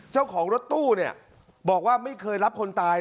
เจ้าของรถตู้บอกว่าไม่เคยรับคนตาย